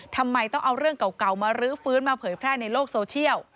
ทำไมต้องเอาเรื่องเก่ามารื้อฟื้นมาเผยแพร่ในโลกโซเชียล